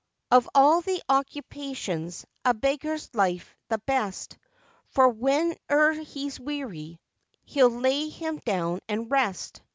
Of all the occupations, A beggar's life's the best; For whene'er he's weary, He'll lay him down and rest.